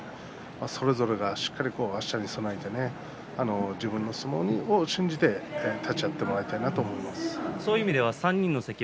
それぞれ、あしたにそなえて自分の相撲を信じて立ち合ってもらいたいなと思います。